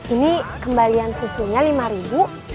ini kembalian susunya lima ribu